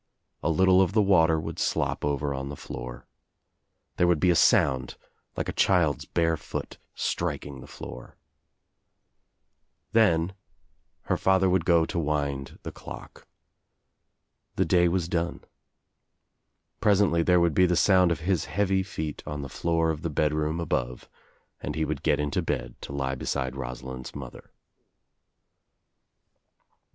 A little of the water would slop over on the floor. There would be a sound like a child's bare foot striking the floor. Then her father OUT OF NOWHERE INTO NOTHING I79 ^V would go to wind the clock. TTie day was done. Pres ently there would be the sound of his heavy feet on the floor of the bedroom above and he would get into bed to lie beside Rosalind's mother.